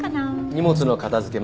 荷物の片付け